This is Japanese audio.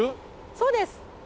そうです。